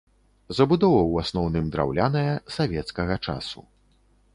Забудова ў асноўным драўляная савецкага часу.